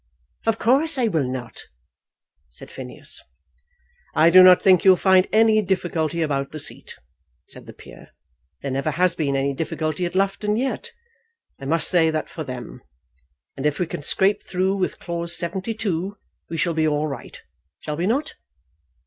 "Of course I will not," said Phineas. "I do not think you'll find any difficulty about the seat," said the peer. "There never has been any difficulty at Loughton yet. I must say that for them. And if we can scrape through with Clause 72 we shall be all right; shall we not?"